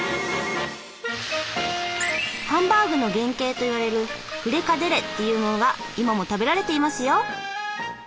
ハンバーグの原型と言われるフリカデレというものが今も食べられていますよ。